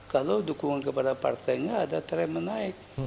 kalau dukungan kepada partainya ada tren menaik